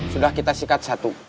sudah kita sikat satu